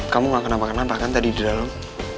kamu gak kena makan apa apa kan tadi di dalam